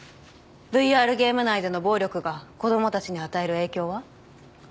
ＶＲゲーム内での暴力が子供たちに与える影響は？